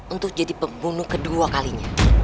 untuk jadi pembunuh kedua kalinya